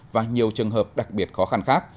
và nhiều trường hợp đặc biệt khó khăn khác